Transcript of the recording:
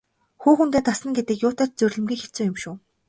Хүн хүндээ дасна гэдэг юутай ч зүйрлэмгүй хэцүү юм шүү.